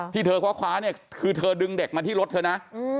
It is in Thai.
ที่เธอคว้าเนี่ยคือเธอดึงเด็กมาที่รถเธอนะ